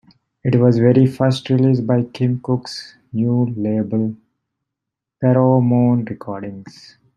It was the very first release by Kim Cooke's new label Pheromone Recordings.